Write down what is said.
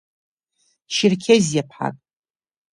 Черқьезиаԥҳак.